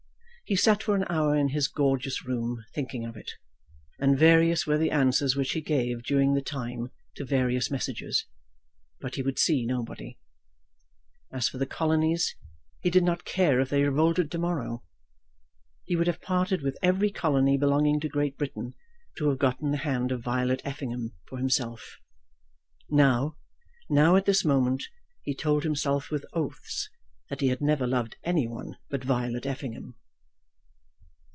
He sat for an hour in his gorgeous room thinking of it, and various were the answers which he gave during the time to various messages; but he would see nobody. As for the colonies, he did not care if they revolted to morrow. He would have parted with every colony belonging to Great Britain to have gotten the hand of Violet Effingham for himself. Now, now at this moment, he told himself with oaths that he had never loved any one but Violet Effingham.